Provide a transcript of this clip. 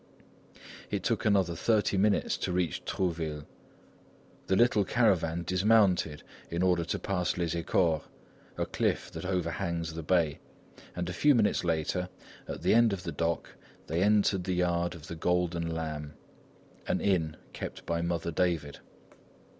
It took another thirty minutes to reach Trouville. The little caravan dismounted in order to pass Les Écores, a cliff that overhangs the bay, and a few minutes later, at the end of the dock, they entered the yard of the Golden Lamb, an inn kept by Mother David.